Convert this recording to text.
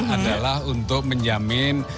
adalah untuk menjamin